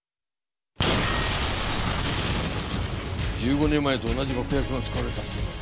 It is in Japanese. １５年前と同じ爆薬が使われたって言うのか？